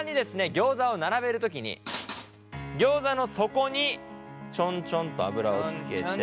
ギョーザを並べる時にギョーザの底にチョンチョンと油をつけて。